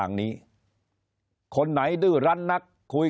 คนในวงการสื่อ๓๐องค์กร